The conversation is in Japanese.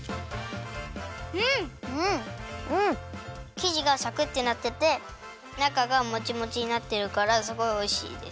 きじがさくってなっててなかがもちもちになってるからすごいおいしいです。